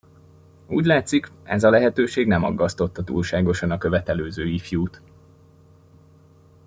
Úgy látszik, ez a lehetőség nem aggasztotta túlságosan a követelőző ifjút.